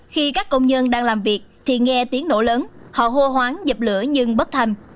khi các công nhân đang làm việc thì nghe tiếng nổ lớn họ hô hoáng dập lửa nhưng bất thành